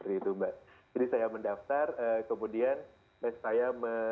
jadi saya mendaftar kemudian saya